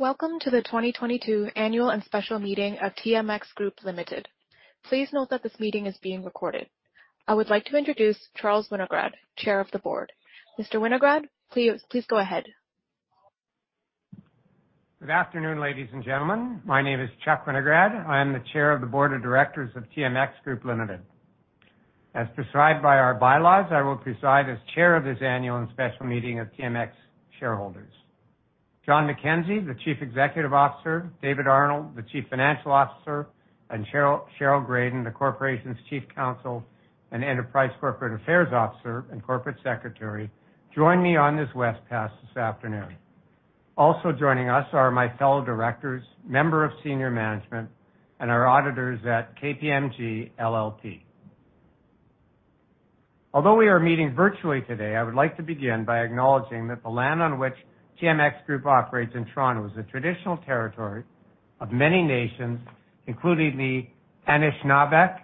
Welcome to the 2022 Annual and Special Meeting of TMX Group Limited. Please note that this meeting is being recorded. I would like to introduce Charles Winograd, Chair of the Board. Mr. Winograd, please go ahead. Good afternoon, Ladies and Gentlemen. My name is Chuck Winograd. I am the Chair of the Board of Directors of TMX Group Limited. As prescribed by our bylaws, I will preside as Chair of this Annual and Special Meeting of TMX shareholders. John McKenzie, the Chief Executive Officer; David Arnold, the Chief Financial Officer, and Cheryl Graden, the Corporation's Chief Counsel and Enterprise Corporate Affairs Officer and Corporate Secretary, join me on this webcast this afternoon. Also joining us are my fellow directors, members of senior management, and our auditors at KPMG LLP. Although we are meeting virtually today, I would like to begin by acknowledging that the land on which TMX Group operates in Toronto is a traditional territory of many nations, including the Anishinabek,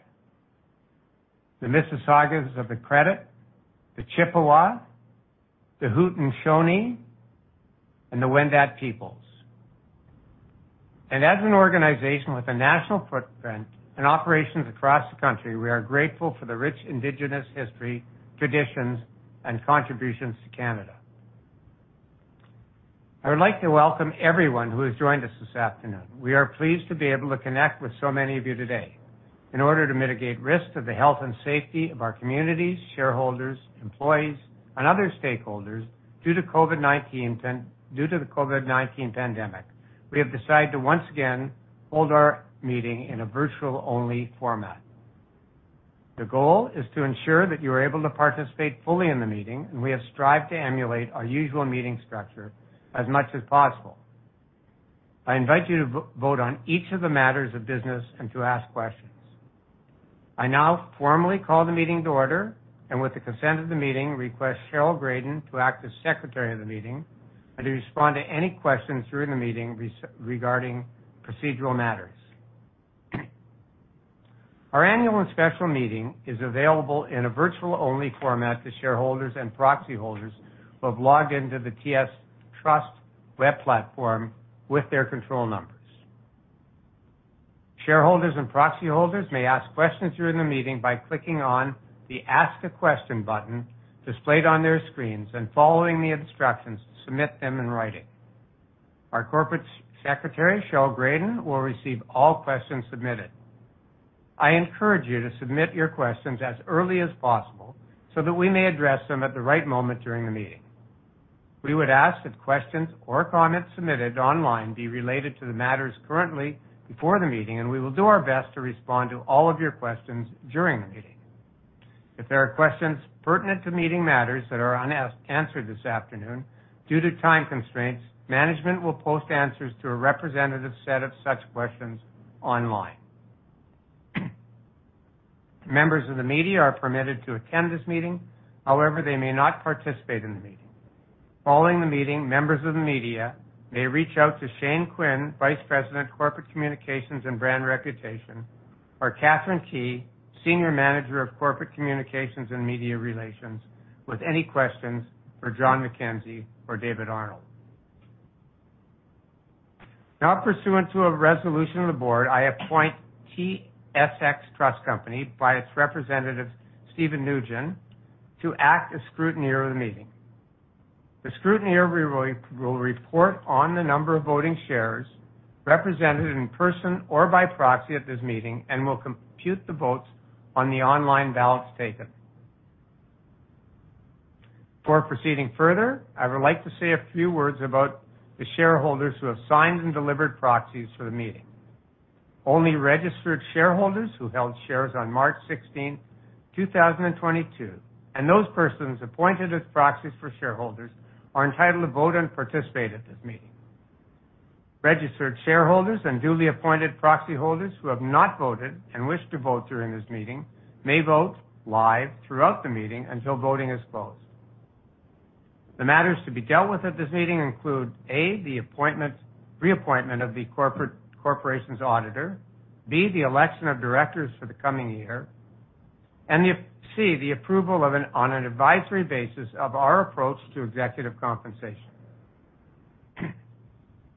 the Mississaugas of the Credit, the Chippewa, the Haudenosaunee, and the Wendat peoples. As an organization with a national footprint and operations across the country, we are grateful for the rich Indigenous history, traditions, and contributions to Canada. I would like to welcome everyone who has joined us this afternoon. We are pleased to be able to connect with so many of you today. In order to mitigate risks to the health and safety of our communities, shareholders, employees, and other stakeholders due to the COVID-19 pandemic, we have decided to once again hold our meeting in a virtual-only format. The goal is to ensure that you are able to participate fully in the meeting, and we have strived to emulate our usual meeting structure as much as possible. I invite you to vote on each of the matters of business and to ask questions. I now formally call the meeting to order, and with the consent of the meeting, request Cheryl Graden to act as Secretary of the meeting and to respond to any questions during the meeting regarding procedural matters. Our Annual and Special Meeting is available in a virtual-only format to shareholders and Proxy holders who have logged into the TSX Trust Web Platform with their control numbers. Shareholders and Proxy holders may ask questions during the meeting by clicking on the Ask a Question button displayed on their screens, and following the instructions to submit them in writing. Our Corporate Secretary, Cheryl Graden, will receive all questions submitted. I encourage you to submit your questions as early as possible so that we may address them at the right moment during the meeting. We would ask that questions or comments submitted online be related to the matters currently before the meeting, and we will do our best to respond to all of your questions during the meeting. If there are questions pertinent to meeting matters that are unanswered this afternoon, due to time constraints, management will post answers to a representative set of such questions online. Members of the media are permitted to attend this meeting. However, they may not participate in the meeting. Following the meeting, members of the media may reach out to Shane Quinn, Vice President, Corporate Communications and Brand Reputation, or Catherine Kee, Senior Manager of Corporate Communications and Media Relations, with any questions for John McKenzie or David Arnold. Now, pursuant to a resolution of the board, I appoint TSX Trust Company by its representative, Steven Nugent, to act as Scrutineer of the meeting. The Scrutineer will report on the number of voting shares represented in person or by proxy at this meeting and will compute the votes on the online ballots taken. Before proceeding further, I would like to say a few words about the shareholders who have signed and delivered proxies for the meeting. Only registered shareholders who held shares on March 16, 2022, and those persons appointed as proxies for shareholders are entitled to vote and participate at this meeting. Registered shareholders and duly appointed proxy holders who have not voted and wish to vote during this meeting may vote live throughout the meeting until voting is closed. The matters to be dealt with at this meeting include A, the reappointment of the corporation's auditor, B, the election of directors for the coming year, and C, the approval, on an advisory basis, of our approach to executive compensation.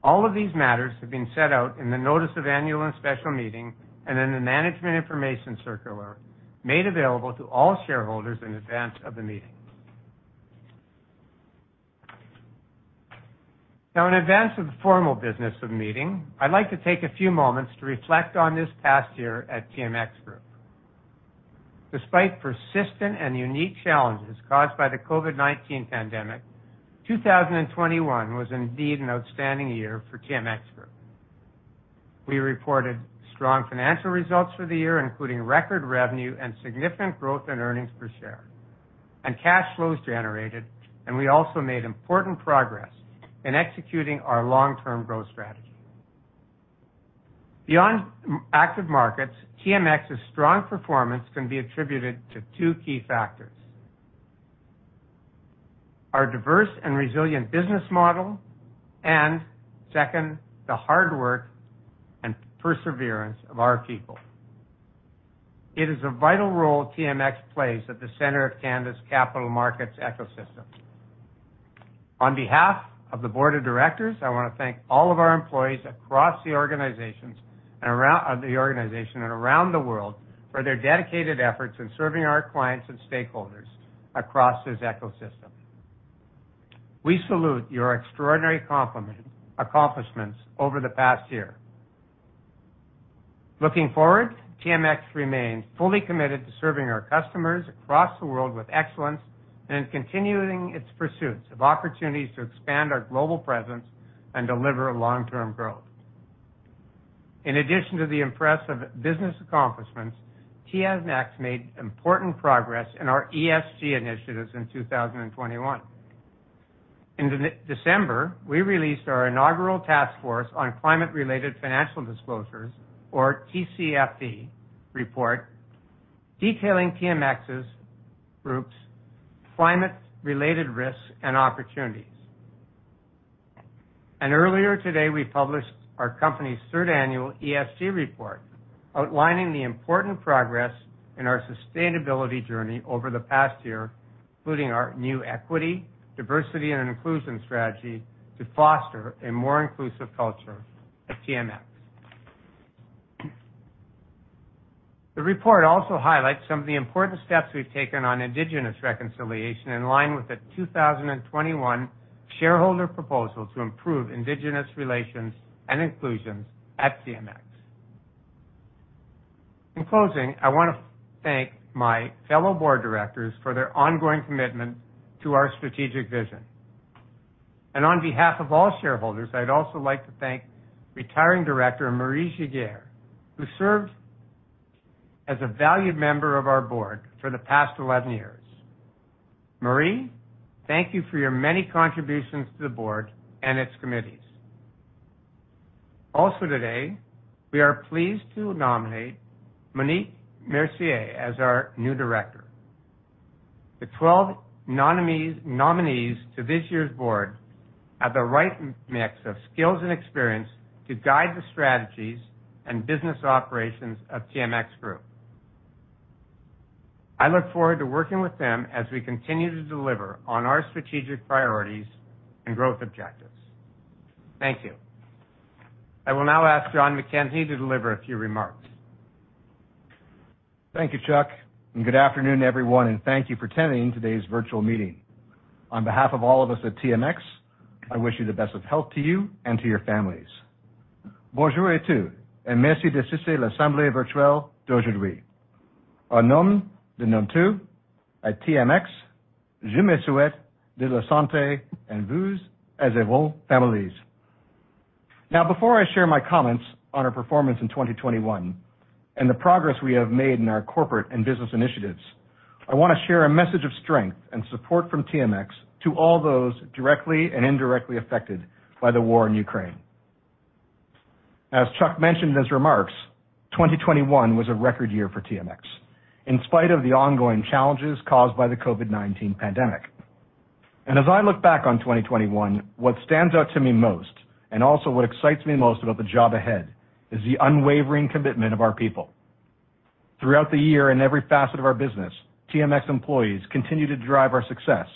All of these matters have been set out in the notice of annual and special meeting and in the Management Information Circular made available to all shareholders in advance of the meeting. Now, in advance of the formal business of the meeting, I'd like to take a few moments to reflect on this past year at TMX Group. Despite persistent and unique challenges caused by the COVID-19 pandemic, 2021 was indeed an outstanding year for TMX Group. We reported strong financial results for the year, including record revenue and significant growth in earnings per share; and cash flows generated, and we also made important progress in executing our long-term growth strategy. Beyond active markets, TMX's strong performance can be attributed to two key factors. Our diverse and resilient business model, and second, the hard work and perseverance of our people. It is a vital role TMX plays at the center of Canada's capital markets ecosystem. On behalf of the board of directors, I wanna thank all of our employees across the organization and around the world for their dedicated efforts in serving our clients and stakeholders across this ecosystem. We salute your extraordinary accomplishments over the past year. Looking forward, TMX remains fully committed to serving our customers across the world with excellence and in continuing its pursuits of opportunities to expand our global presence and deliver long-term growth. In addition to the impressive business accomplishments, TMX made important progress in our ESG initiatives in 2021. In mid-December, we released our inaugural task force on climate-related financial disclosures or TCFD report, detailing TMX Group's climate-related risks and opportunities. Earlier today, we published our company's third annual ESG report, outlining the important progress in our sustainability journey over the past year, including our new equity, diversity, and inclusion strategy to foster a more inclusive culture at TMX. The report also highlights some of the important steps we've taken on Indigenous reconciliation in line with the 2021 shareholder proposal to improve Indigenous relations and inclusion at TMX. In closing, I wanna thank my fellow board directors for their ongoing commitment to our strategic vision. On behalf of all shareholders, I'd also like to thank retiring Director Marie Giguère, who served as a valued member of our board for the past 11 years. Marie, thank you for your many contributions to the board and its committees. Also, today, we are pleased to nominate Monique Mercier as our new director. The 12 nominees to this year's board have the right mix of skills and experience to guide the strategies and business operations of TMX Group. I look forward to working with them as we continue to deliver on our strategic priorities and growth objectives. Thank you. I will now ask John McKenzie to deliver a few remarks. Thank you, Chuck, and good afternoon, everyone. Thank you for attending today's virtual meeting. On behalf of all of us at TMX, I wish you the best of health to you and to your families. Now, before I share my comments on our performance in 2021 and the progress we have made in our corporate and business initiatives, I wanna share a message of strength and support from TMX to all those directly and indirectly affected by the war in Ukraine. As Chuck mentioned in his remarks, 2021 was a record year for TMX, in spite of the ongoing challenges caused by the COVID-19 pandemic. As I look back on 2021, what stands out to me most, and also what excites me most about the job ahead, is the unwavering commitment of our people. Throughout the year in every facet of our business, TMX employees continue to drive our success,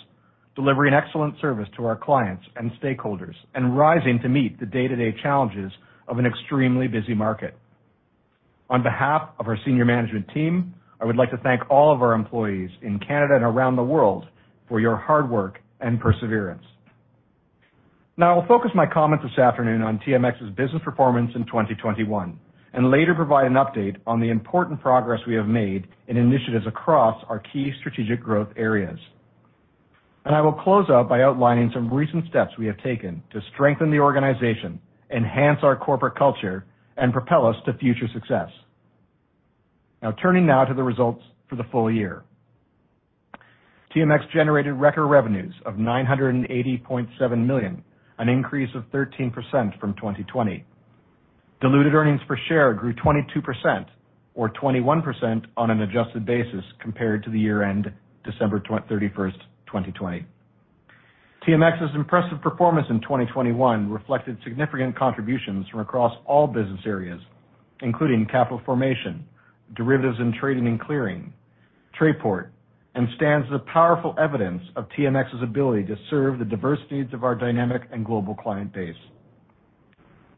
delivering excellent service to our clients and stakeholders, and rising to meet the day-to-day challenges of an extremely busy market. On behalf of our senior management team, I would like to thank all of our employees in Canada and around the world for your hard work and perseverance. Now, I'll focus my comments this afternoon on TMX's business performance in 2021 and later provide an update on the important progress we have made in initiatives across our key strategic growth areas. I will close out by outlining some recent steps we have taken to strengthen the organization, enhance our corporate culture, and propel us to future success. Now, turning to the results for the full year. TMX generated record revenues of 980.7 million, an increase of 13% from 2020. Diluted earnings per share grew 22% or 21% on an adjusted basis compared to the year-end December 31, 2020. TMX's impressive performance in 2021 reflected significant contributions from across all business areas, including capital formation, derivatives trading and clearing, Trayport, and stands as powerful evidence of TMX's ability to serve the diverse needs of our dynamic and global client base.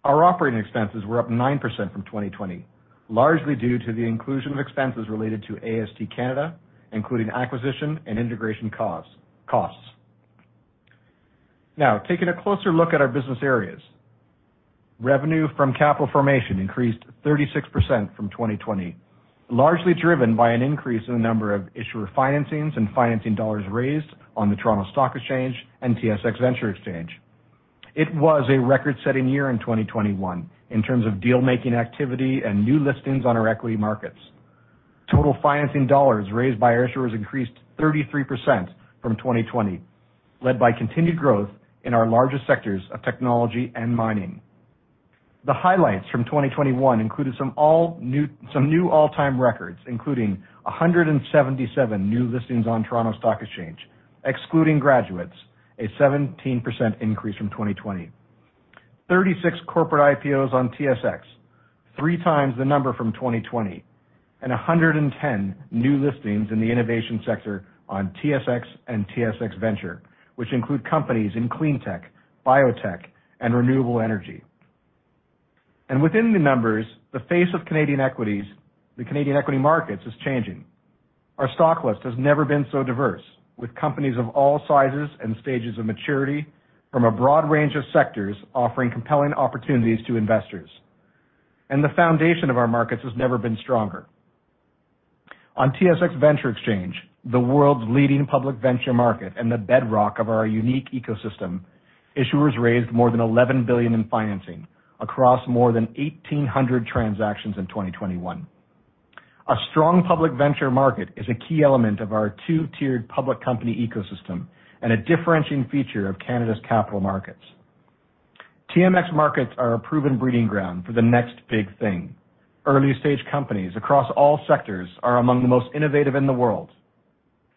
Our operating expenses were up 9% from 2020, largely due to the inclusion of expenses related to AST Canada, including acquisition and integration costs. Now, taking a closer look at our business areas. Revenue from capital formation increased 36% from 2020, largely driven by an increase in the number of issuer financings and financing dollars raised on the Toronto Stock Exchange and TSX Venture Exchange. It was a record-setting year in 2021 in terms of deal-making activity and new listings on our equity markets. Total financing dollars raised by issuers increased 33% from 2020, led by continued growth in our largest sectors of technology and mining. The highlights from 2021 included some new all-time records, including 177 new listings on the Toronto Stock Exchange, excluding graduates, a 17% increase from 2020. 36 corporate IPOs on TSX, three times the number from 2020, and 110 new listings in the innovation sector on TSX and TSX Venture, which include companies in clean tech, biotech, and renewable energy. Within the numbers, the face of Canadian equities, the Canadian equity markets, is changing. Our stock list has never been so diverse, with companies of all sizes and stages of maturity from a broad range of sectors offering compelling opportunities to investors, and the foundation of our markets has never been stronger. On the TSX Venture Exchange, the world's leading public venture market and the bedrock of our unique ecosystem, issuers raised more than 11 billion in financing across more than 1,800 transactions in 2021. Our strong public venture market is a key element of our two-tiered public company ecosystem and a differentiating feature of Canada's capital markets. TMX markets are a proven breeding ground for the next big thing. Early-stage companies across all sectors are among the most innovative in the world,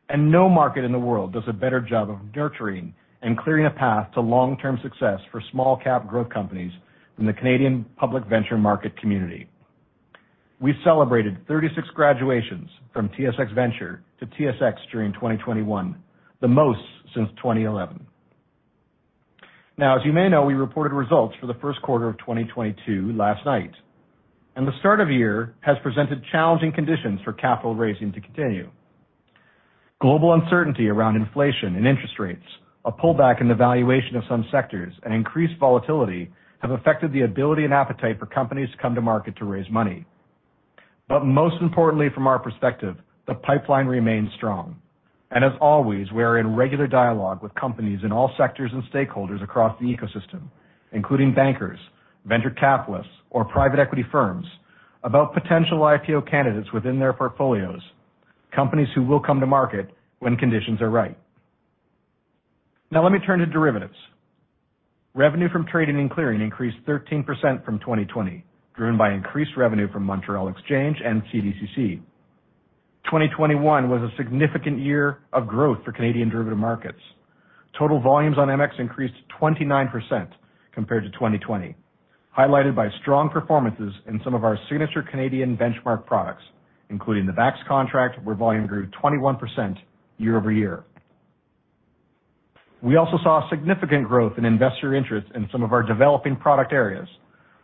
and no market in the world does a better job of nurturing and clearing a path to long-term success for small-cap growth companies than the Canadian public venture market community. We celebrated 36 graduations from TSX Venture to TSX during 2021, the most since 2011. Now, as you may know, we reported results for Q1 2022 last night, and the start of the year has presented challenging conditions for capital raising to continue. Global uncertainty around inflation and interest rates, a pullback in the valuation of some sectors, and increased volatility have affected the ability and appetite for companies to come to market to raise money. Most importantly, from our perspective, the pipeline remains strong. As always, we're in regular dialogue with companies in all sectors and stakeholders across the ecosystem, including bankers, venture capitalists, or private equity firms about potential IPO candidates within their portfolios, companies that will come to market when conditions are right. Now let me turn to derivatives. Revenue from trading and clearing increased 13% from 2020, driven by increased revenue from Montréal Exchange and CDCC. 2021 was a significant year of growth for Canadian derivative markets. Total volumes on MX increased 29% compared to 2020, highlighted by strong performances in some of our signature Canadian benchmark products, including the BAX contract, where volume grew 21% year-over-year. We also saw significant growth in investor interest in some of our developing product areas,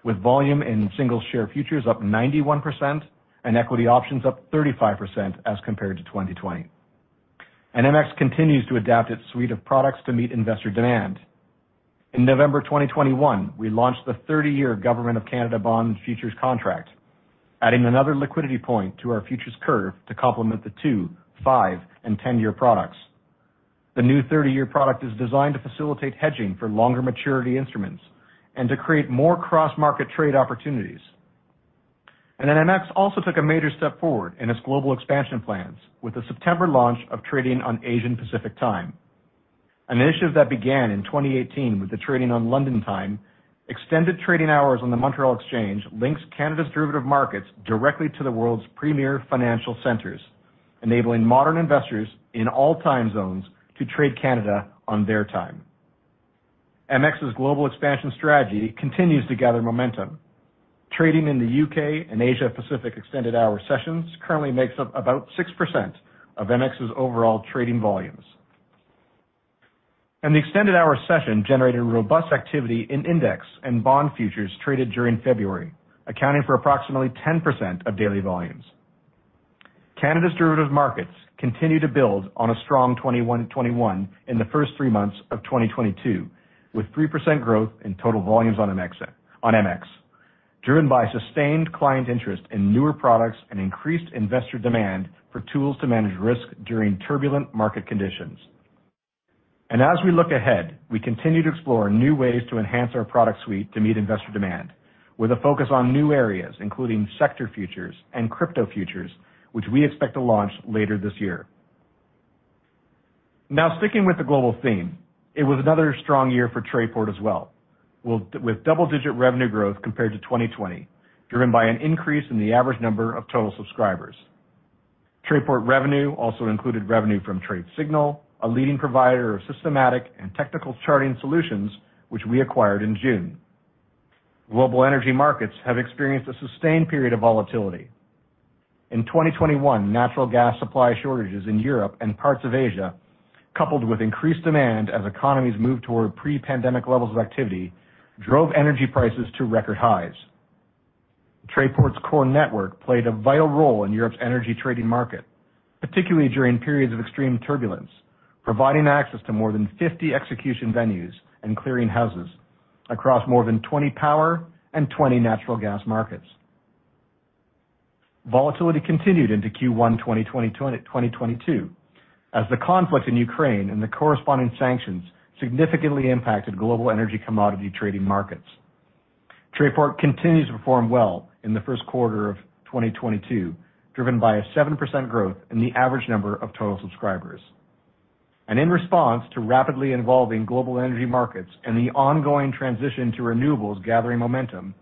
with volume in single share futures up 91% and equity options up 35% as compared to 2020. MX continues to adapt its suite of products to meet investor demand. In November 2021, we launched the 30-year Government of Canada bond futures contract, adding another liquidity point to our futures curve to complement the two, five, and 10-year products. The new 30-year product is designed to facilitate hedging for longer maturity instruments and to create more cross-market trade opportunities. MX also took a major step forward in its global expansion plans with the September launch of trading on Asia Pacific Time. An initiative that began in 2018 with the trading on London Time extended trading hours on the Montréal Exchange links Canada's derivatives markets directly to the world's premier financial centers, enabling modern investors in all time zones to trade Canada on their time. MX's global expansion strategy continues to gather momentum. Trading in the UK and Asia Pacific extended hour sessions currently makes up about 6% of MX's overall trading volumes. The extended hour session generated robust activity in index and bond futures traded during February, accounting for approximately 10% of daily volumes. Canada's derivative markets continue to build on a strong 2021 in the first three months of 2022, with 3% growth in total volumes on MX, driven by sustained client interest in newer products and increased investor demand for tools to manage risk during turbulent market conditions. As we look ahead, we continue to explore new ways to enhance our product suite to meet investor demand with a focus on new areas, including sector futures and crypto futures, which we expect to launch later this year. Now, sticking with the global theme, it was another strong year for Trayport as well, with double-digit revenue growth compared to 2020, driven by an increase in the average number of total subscribers. Trayport revenue also included revenue from TradeSignal, a leading provider of systematic and technical charting solutions, which we acquired in June. Global energy markets have experienced a sustained period of volatility. In 2021, natural gas supply shortages in Europe and parts of Asia, coupled with increased demand as economies moved toward pre-pandemic levels of activity, drove energy prices to record highs. Trayport's core network played a vital role in Europe's energy trading market, particularly during periods of extreme turbulence, providing access to more than 50 execution venues and clearing houses across more than 20 power and 20 natural gas markets. Volatility continued into Q1, 2022, as the conflict in Ukraine and the corresponding sanctions significantly impacted global energy commodity trading markets. Trayport continues to perform well in Q1 2022, driven by a 7% growth in the average number of total subscribers. In response to rapidly evolving global energy markets and the ongoing transition to renewables gathering momentum,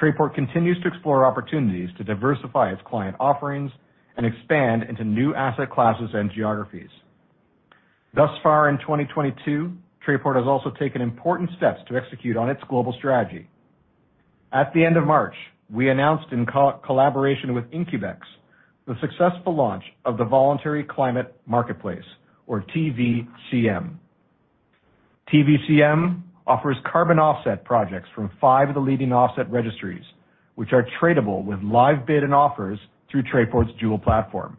Trayport continues to explore opportunities to diversify its client offerings and expand into new asset classes and geographies. Thus far in 2022, Trayport has also taken important steps to execute on its global strategy. At the end of March, we announced in co-collaboration with IncubEx, the successful launch of the Voluntary Climate Marketplace, or TVCM. TVCM offers carbon offset projects from five of the leading offset registries, which are tradable with live bids and offers through Trayport's dual platform.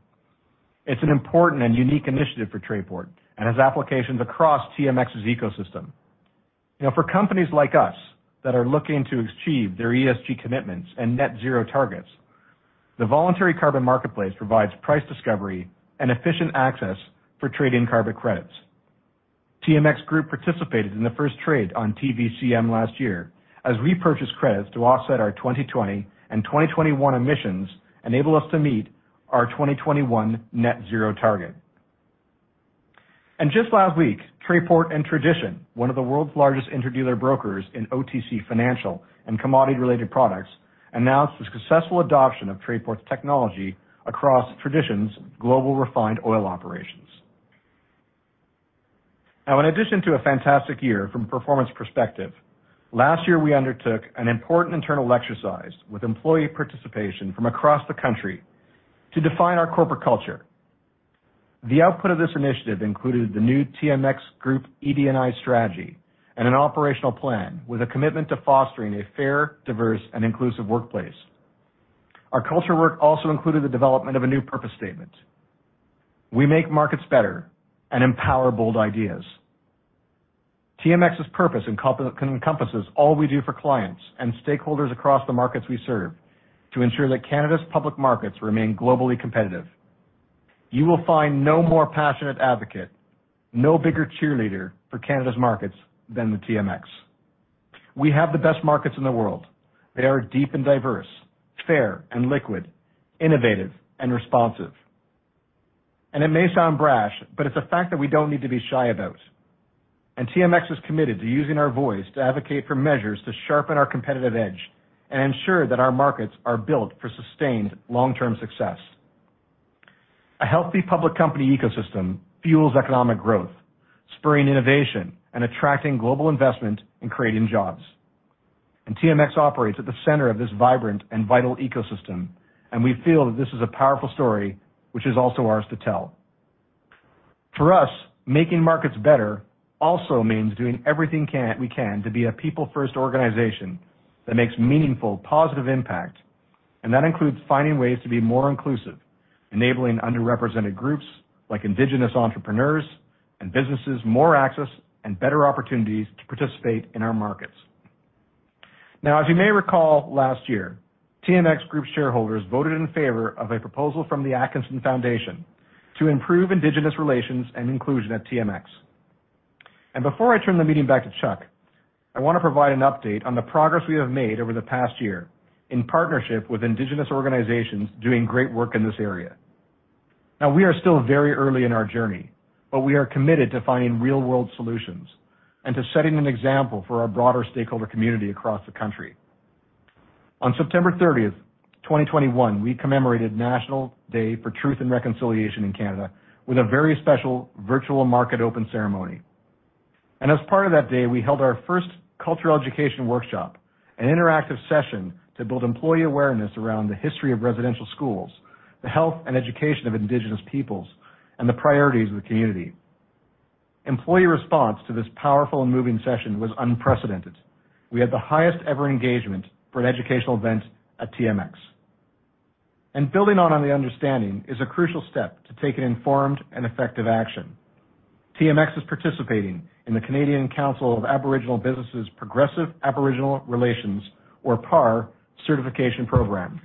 It's an important and unique initiative for Trayport and has applications across TMX's ecosystem. You know, for companies like us that are looking to achieve their ESG commitments and net zero targets, the Voluntary Carbon Marketplace provides price discovery and efficient access for trading carbon credits. TMX Group participated in the first trade on TVCM last year as we purchased credits to offset our 2020 and 2021 emissions, enabling us to meet our 2021 net zero target. Just last week, Trayport and Tradition, one of the world's largest interdealer brokers in OTC financial and commodity-related products, announced the successful adoption of Trayport's technology across Tradition's global refined oil operations. Now, in addition to a fantastic year from a performance perspective, last year we undertook an important internal exercise with employee participation from across the country to define our corporate culture. The output of this initiative included the new TMX Group ED&I strategy and an operational plan with a commitment to fostering a fair, diverse, and inclusive workplace. Our culture work also included the development of a new purpose statement. We make markets better and empower bold ideas. TMX's purpose encompasses all we do for clients and stakeholders across the markets we serve to ensure that Canada's public markets remain globally competitive. You will find no more passionate advocate, no bigger cheerleader for Canada's markets than the TMX. We have the best markets in the world. They are deep and diverse, fair and liquid, innovative and responsive. It may sound brash, but it's a fact that we don't need to be shy about. TMX is committed to using our voice to advocate for measures to sharpen our competitive edge and ensure that our markets are built for sustained long-term success. A healthy public company ecosystem fuels economic growth, spurring innovation, attracting global investment, and creating jobs. TMX operates at the center of this vibrant and vital ecosystem, and we feel that this is a powerful story that is also ours to tell. For us, making markets better also means doing everything we can to be a people-first organization that makes a meaningful, positive impact, and that includes finding ways to be more inclusive, enabling underrepresented groups like Indigenous entrepreneurs and businesses to have more access and better opportunities to participate in our markets. Now, as you may recall, last year, TMX Group shareholders voted in favor of a proposal from the Atkinson Foundation to improve Indigenous relations and inclusion at TMX. Before I turn the meeting back to Chuck, I wanna provide an update on the progress we have made over the past year in partnership with Indigenous organizations doing great work in this area. Now, we are still very early in our journey, but we are committed to finding real-world solutions and to setting an example for our broader stakeholder community across the country. On September 13, 2021, we commemorated National Day for Truth and Reconciliation in Canada with a very special virtual market open ceremony. As part of that day, we held our first cultural education workshop, an interactive session to build employee awareness around the history of residential schools, the health and education of Indigenous peoples, and the priorities of the community. Employee response to this powerful and moving session was unprecedented. We had the highest ever engagement for an educational event at TMX. Building on the understanding is a crucial step to take an informed and effective action. TMX is participating in the Canadian Council for Aboriginal Business's Progressive Aboriginal Relations, or PAR, certification program.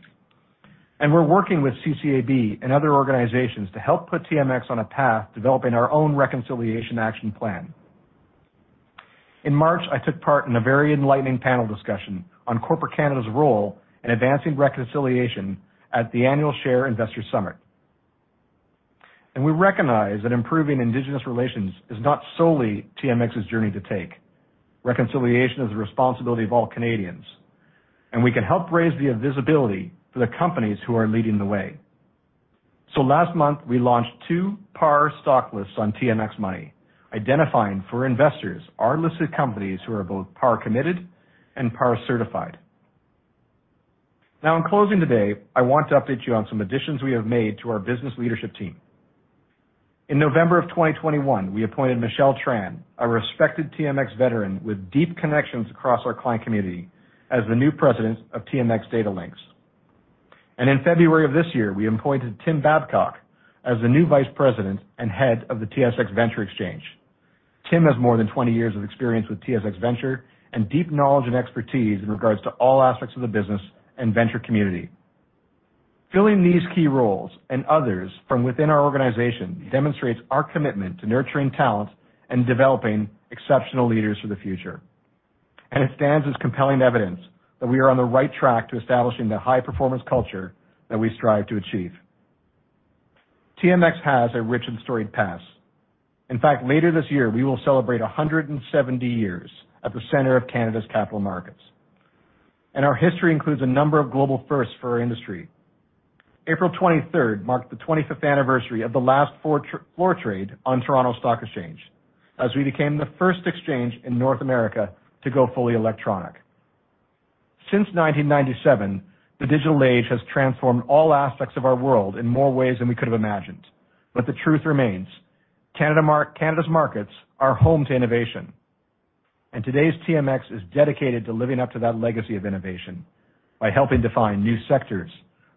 We're working with CCAB and other organizations to help put TMX on a path to developing our own reconciliation action plan. In March, I took part in a very enlightening panel discussion on corporate Canada's role in advancing reconciliation at the annual SHARE Investor Summit. We recognize that improving Indigenous relations is not solely TMX's journey to take. Reconciliation is the responsibility of all Canadians, and we can help raise the visibility for the companies that are leading the way. Last month, we launched two PAR stock lists on TMX Money, identifying for investors our listed companies that are both PAR committed and PAR certified. Now in closing today, I want to update you on some additions we have made to our business leadership team. In November of 2021, we appointed Michelle Tran, a respected TMX veteran with deep connections across our client community, as the new President of TMX Datalinx. In February of this year, we appointed Tim Babcock as the new Vice President and Head of the TSX Venture Exchange. Tim has more than 20 years of experience with TSX Venture and deep knowledge and expertise regarding all aspects of the business and venture community. Filling these key roles and others from within our organization demonstrates our commitment to nurturing talent and developing exceptional leaders for the future. It stands as compelling evidence that we are on the right track to establishing the high-performance culture that we strive to achieve. TMX has a rich and storied past. In fact, later this year, we will celebrate 170 years at the center of Canada's capital markets. Our history includes a number of global firsts for our industry. April 23rd marked the 25th anniversary of the last floor trade on the Toronto Stock Exchange, as we became the first exchange in North America to go fully electronic. Since 1997, the digital age has transformed all aspects of our world in more ways than we could have imagined. The truth remains, Canada's markets are home to innovation. Today's TMX is dedicated to living up to that legacy of innovation by helping define new sectors,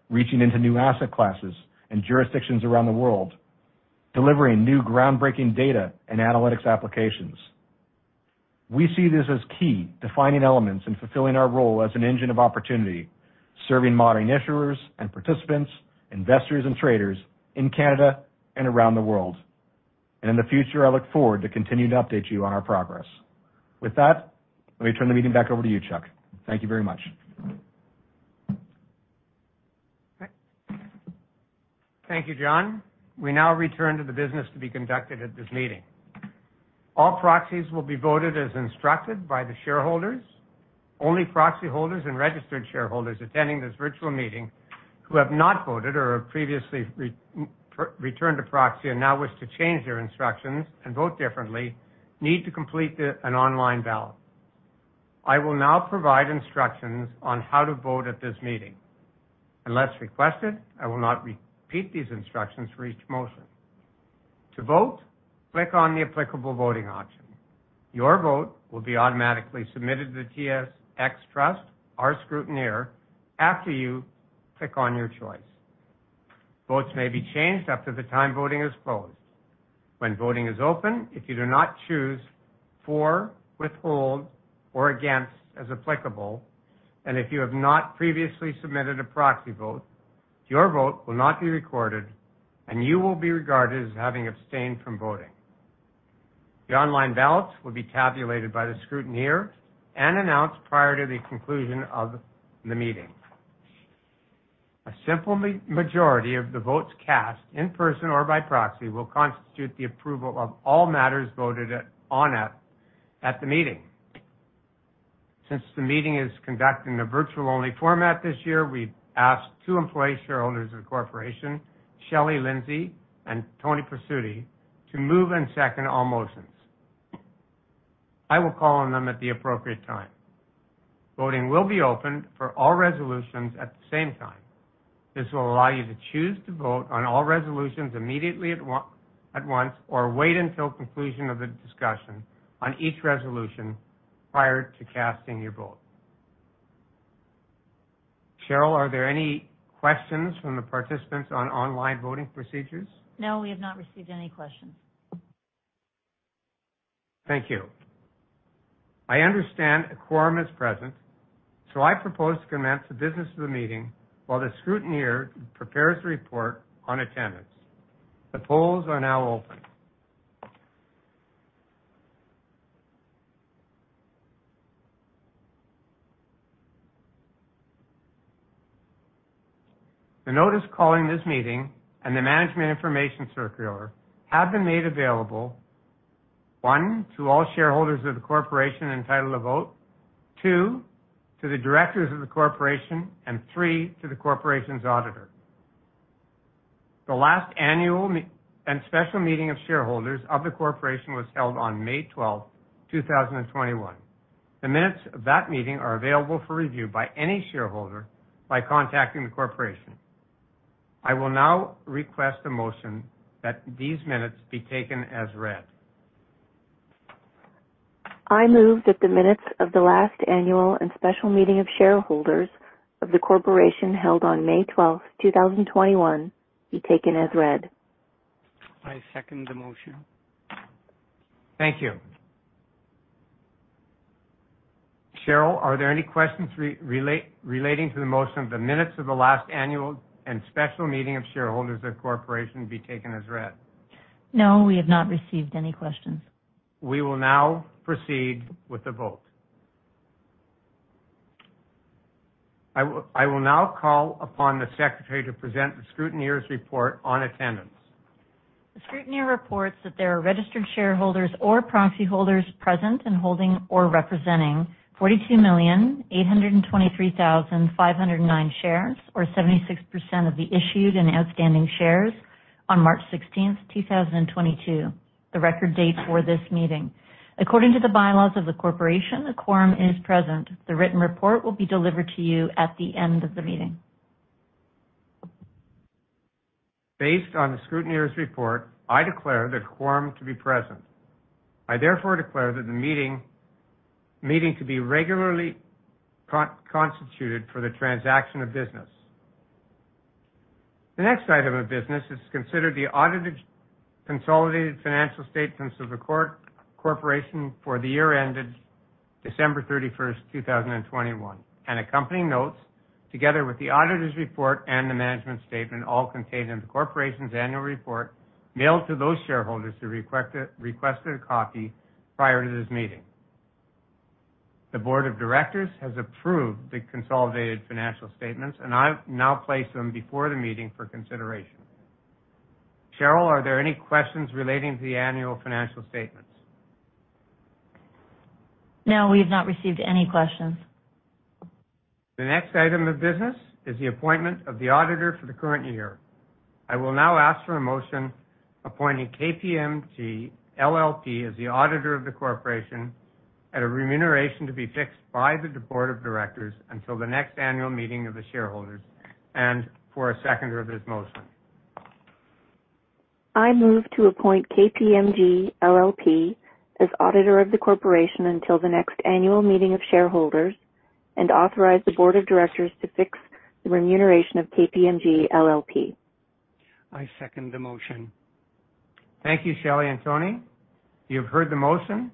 reaching into new asset classes and jurisdictions around the world, and delivering new, groundbreaking data and analytics applications. We see this as key defining elements in fulfilling our role as an engine of opportunity, serving modern issuers and participants, investors, and traders in Canada and around the world. In the future, I look forward to continuing to update you on our progress. With that, let me turn the meeting back over to you, Chuck. Thank you very much. Thank you, John. We now return to the business to be conducted at this meeting. All proxies will be voted as instructed by the shareholders. Only proxy holders and registered shareholders attending this virtual meeting who have not voted or have previously returned a proxy and now wish to change their instructions and vote differently need to complete an online ballot. I will now provide instructions on how to vote at this meeting. Unless requested, I will not repeat these instructions for each motion. To vote, click on the applicable voting option. Your vote will be automatically submitted to the TSX Trust, our Scrutineer, after you click on your choice. Votes may be changed up to the time voting is closed. When voting is open, if you do not choose for, withhold, or against, as applicable, and if you have not previously submitted a proxy vote, your vote will not be recorded, and you will be regarded as having abstained from voting. The online ballots will be tabulated by the scrutineer and announced prior to the conclusion of the meeting. A simple majority of the votes cast, in person or by proxy, will constitute the approval of all matters voted on at the meeting. Since the meeting is conducted in a virtual-only format this year, we've asked two employee shareholders of the corporation, Shelley Lindsay and Tony Presutti, to move and second all motions. I will call on them at the appropriate time. Voting will be open for all resolutions at the same time. This will allow you to choose to vote on all resolutions immediately at once, or wait until the conclusion of the discussion on each resolution prior to casting your vote. Cheryl, are there any questions from the participants on online voting procedures? No, we have not received any questions. Thank you. I understand a quorum is present, so I propose to commence the business of the meeting while the scrutineer prepares a report on attendance. The polls are now open. The notice calling this meeting and the Management Information Circular have been made available, one, to all shareholders of the corporation entitled to vote, two, to the directors of the corporation, and three, to the corporation's auditor. The last annual and special meeting of shareholders of the corporation was held on May 12th, 2021. The minutes of that meeting are available for review by any shareholder by contacting the corporation. I will now request a motion that these minutes be taken as read. I move that the minutes of the last annual and special meeting of shareholders of the corporation held on May 12, 2021 be taken as read. I second the motion. Thank you. Cheryl, are there any questions relating to the motion of the minutes of the last annual and special meeting of shareholders of the corporation be taken as read? No, we have not received any questions. We will now proceed with the vote. I will now call upon the secretary to present the scrutineer's report on attendance. The scrutineer reports that there are registered shareholders or proxy holders present and holding or representing 42,823,509 shares, or 76% of the issued and outstanding shares on March 16th, 2022, the record date for this meeting. According to the bylaws of the corporation, a quorum is present. The written report will be delivered to you at the end of the meeting. Based on the scrutineer's report, I declare the quorum to be present. I therefore declare that the meeting to be regularly constituted for the transaction of business. The next item of business is to consider the audited consolidated financial statements of the corporation for the year ended December 31, 2021, and accompanying notes, together with the auditor's report and the management statement, all contained in the corporation's annual report, mailed to those shareholders who requested a copy prior to this meeting. The board of directors has approved the consolidated financial statements, and I now place them before the meeting for consideration. Cheryl, are there any questions relating to the annual financial statements? No, we have not received any questions. The next item of business is the appointment of the auditor for the current year. I will now ask for a motion appointing KPMG LLP as the auditor of the corporation at a remuneration to be fixed by the board of directors until the next annual meeting of the shareholders, and for a seconder of this motion. I move to appoint KPMG LLP as auditor of the corporation until the next annual meeting of shareholders and authorize the board of directors to fix the remuneration of KPMG LLP. I second the motion. Thank you, Shelley and Tony. You've heard the motion.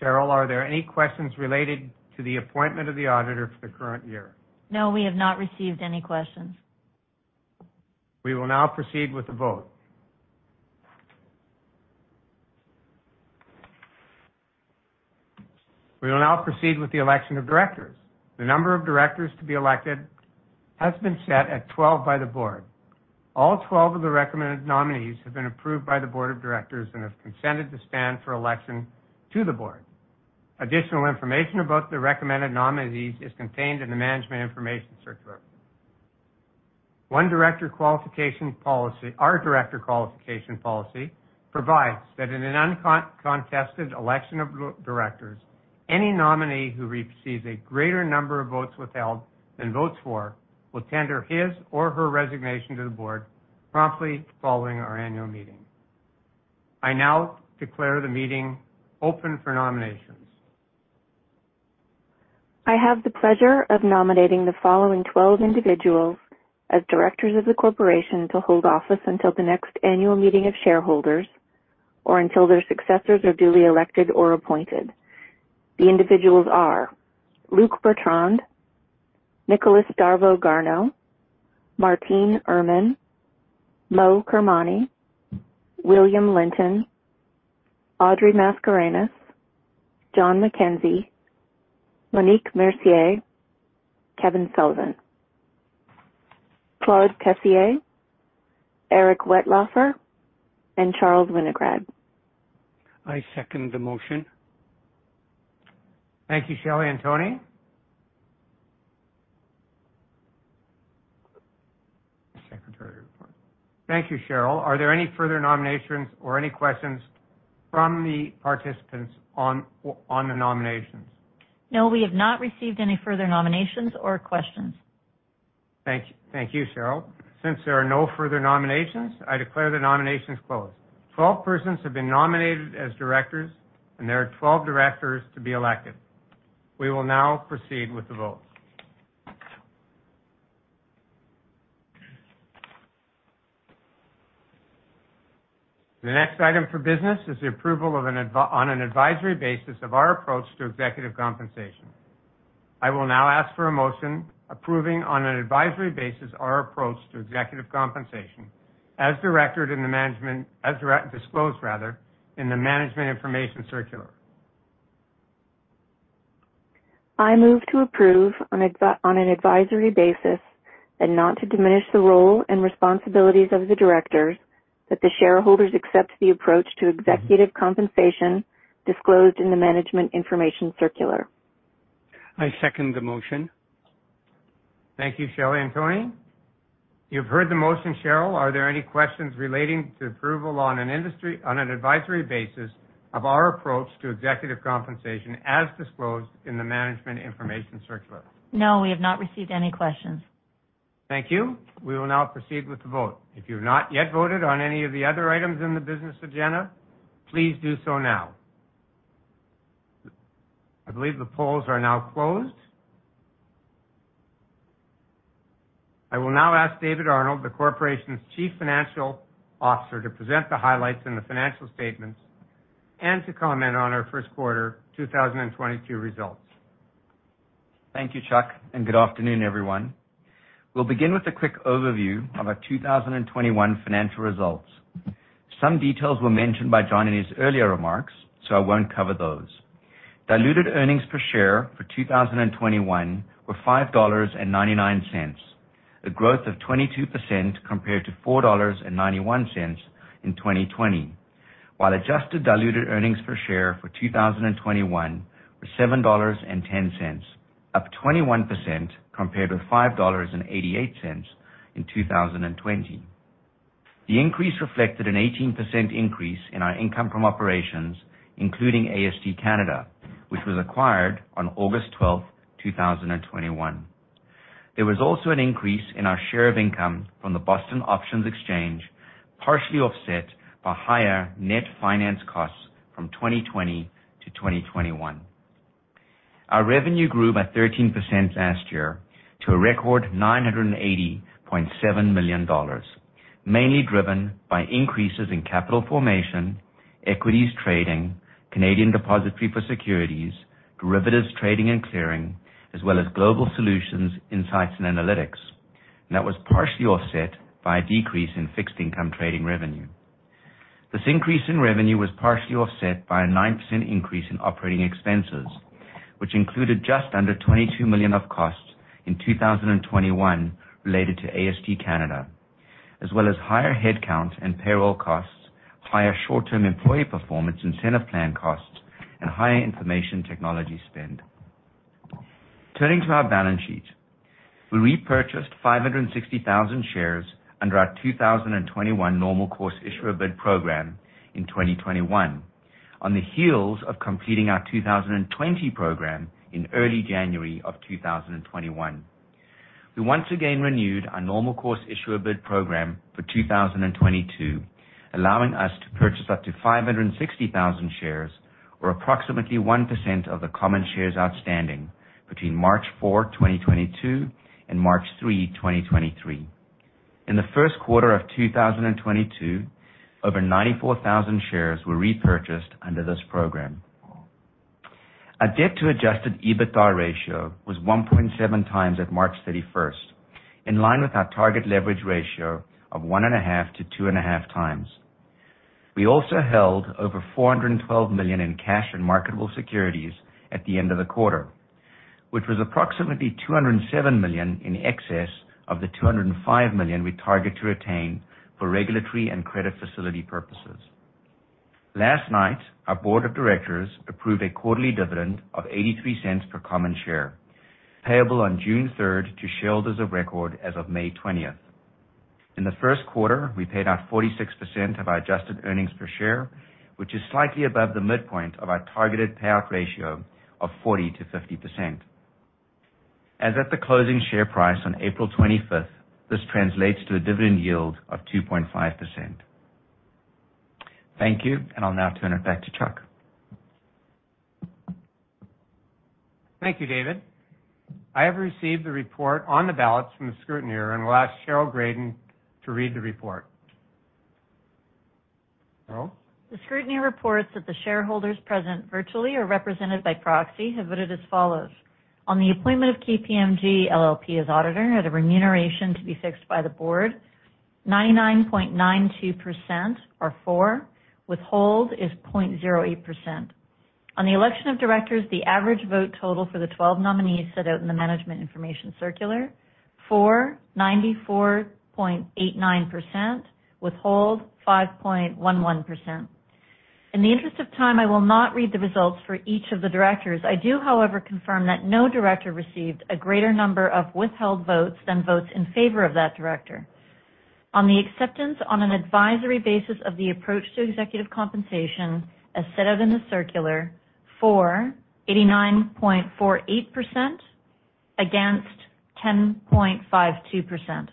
Cheryl, are there any questions related to the appointment of the auditor for the current year? No, we have not received any questions. We will now proceed with the vote. We will now proceed with the election of directors. The number of directors to be elected has been set at 12 by the board. All 12 of the recommended nominees have been approved by the board of directors and have consented to stand for election to the board. Additional information about the recommended nominees is contained in the Management Information Circular. Our director qualification policy provides that in an uncontested election of directors, any nominee who receives a greater number of votes withheld than votes for will tender his or her resignation to the board promptly following our annual meeting. I now declare the meeting open for nominations. I have the pleasure of nominating the following 12 individuals as directors of the corporation to hold office until the next annual meeting of shareholders or until their successors are duly elected or appointed. The individuals are Luc Bertrand, Nicolas Darveau-Garneau, Martine Irman, Moe Kermani, William Linton, Audrey Mascarenhas, John McKenzie, Monique Mercier, Kevin Sullivan, Claude Tessier, Eric Wetlaufer, and Charles Winograd. I second the motion. Thank you, Shelley and Tony. Secretary report. Thank you, Cheryl. Are there any further nominations or any questions from the participants on the nominations? No, we have not received any further nominations or questions. Thank you. Thank you, Cheryl. Since there are no further nominations, I declare the nominations closed. 12 persons have been nominated as directors, and there are 12 directors to be elected. We will now proceed with the vote. The next item for business is the approval on an advisory basis of our approach to executive compensation. I will now ask for a motion approving on an advisory basis our approach to executive compensation as disclosed, rather, in the Management Information Circular. I move to approve on an advisory basis and not to diminish the role and responsibilities of the directors that the shareholders accept the approach to executive compensation disclosed in the Management Information Circular. I second the motion. Thank you, Shelley and Tony. You've heard the motion. Cheryl, are there any questions relating to approval on an advisory basis of our approach to executive compensation as disclosed in the Management Information Circular? No, we have not received any questions. Thank you. We will now proceed with the vote. If you've not yet voted on any of the other items in the business agenda, please do so now. I believe the polls are now closed. I will now ask David Arnold, the corporation's Chief Financial Officer, to present the highlights in the financial statements and to comment on our Q1 2022 results. Thank you, Chuck, and good afternoon, everyone. We'll begin with a quick overview of our 2021 financial results. Some details were mentioned by John in his earlier remarks, so I won't cover those. Diluted earnings per share for 2021 were 5.99 dollars, a growth of 22% compared to 4.91 dollars in 2020. While adjusted diluted earnings per share for 2021 were 7.10, up 21% compared with 5.88 dollars in 2020. The increase reflected an 18% increase in our income from operations, including AST Canada, which was acquired on August 12, 2021. There was also an increase in our share of income from the BOX Options Exchange, partially offset by higher net finance costs from 2020 to 2021. Our revenue grew by 13% last year to a record 980.7 million dollars, mainly driven by increases in capital formation, equities trading, Canadian Depository for Securities, derivatives trading and clearing, as well as Global Solutions, Insights and Analytics. That was partially offset by a decrease in fixed income trading revenue. This increase in revenue was partially offset by a 9% increase in operating expenses, which included just under 22 million of costs in 2021 related to AST Canada, as well as higher headcount and payroll costs, higher short-term employee performance incentive plan costs, and higher information technology spend. Turning to our balance sheet. We repurchased 560,000 shares under our 2021 normal course issuer bid program in 2021 on the heels of completing our 2020 program in early January 2021. We once again renewed our normal course issuer bid program for 2022, allowing us to purchase up to 560,000 shares, or approximately 1% of the common shares outstanding between March 4, 2022, and March 3, 2023. In Q1 2022, over 94,000 shares were repurchased under this program. Our debt-to-adjusted EBITDA ratio was 1.7 times at March 31, in line with our target leverage ratio of 1.5-2.5 times. We held over 412 million in cash and marketable securities at the end of the quarter, which was approximately 207 million in excess of the 205 million we target to retain for regulatory and credit facility purposes. Last night, our board of directors approved a quarterly dividend of 0.83 per common share, payable on June 3 to shareholders of record as of May 20. In Q1, we paid out 46% of our adjusted earnings per share, which is slightly above the midpoint of our targeted payout ratio of 40%-50%. As at the closing share price on April 25, this translates to a dividend yield of 2.5%. Thank you. I'll now turn it back to Chuck. Thank you, David. I have received the report on the ballots from the Scrutineer and will ask Cheryl Graden to read the report. Cheryl. The Scrutineer reports that the shareholders present virtually or represented by proxy have voted as follows. On the appointment of KPMG LLP as auditor at a remuneration to be fixed by the board, 99.92% for, withhold 0.08%. On the election of directors, the average vote total for the 12 nominees set out in the Management Information Circular, for 94.89%, withhold 5.11%. In the interest of time, I will not read the results for each of the directors. I do, however, confirm that no director received a greater number of withheld votes than votes in favor of that director. On the acceptance, on an advisory basis, of the approach to executive compensation as set out in the circular, for 89.48%, against 10.52%.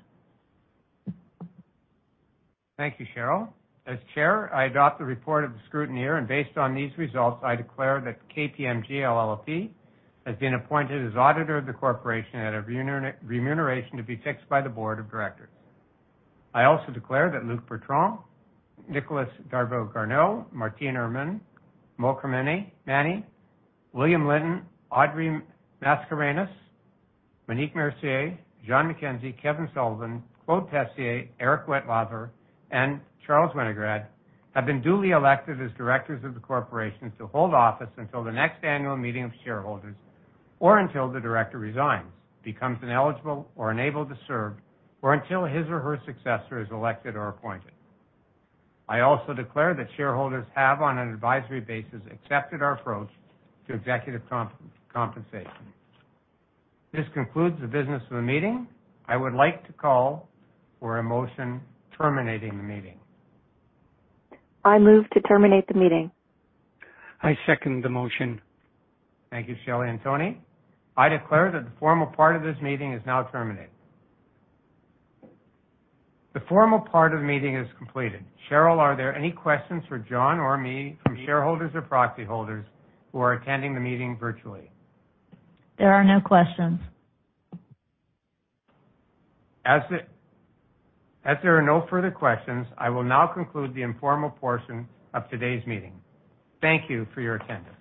Thank you, Cheryl. As Chair, I adopt the report of the Scrutineer, and based on these results, I declare that KPMG LLP has been appointed as auditor of the corporation at a remuneration to be fixed by the board of directors. I also declare that Luc Bertrand, Nicolas Darveau-Garneau, Martine Irman, Moe Kermani, William Linton, Audrey Mascarenhas, Monique Mercier, John McKenzie, Kevin Sullivan, Claude Tessier, Eric Wetlaufer, and Charles Winograd have been duly elected as directors of the corporation to hold office until the next annual meeting of shareholders, or until the director resigns, becomes ineligible or unable to serve, or until his or her successor is elected or appointed. I also declare that shareholders have, on an advisory basis, accepted our approach to executive compensation. This concludes the business of the meeting. I would like to call for a motion terminating the meeting. I move to terminate the meeting. I second the motion. Thank you, Shelley and Tony. I declare that the formal part of this meeting is now terminated. The formal part of the meeting is completed. Cheryl, are there any questions for John or me from shareholders or proxy holders who are attending the meeting virtually? There are no questions. As there are no further questions, I will now conclude the informal portion of today's meeting. Thank you for your attendance.